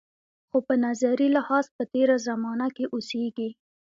خو په نظري لحاظ په تېره زمانه کې اوسېږي.